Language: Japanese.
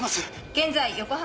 現在横浜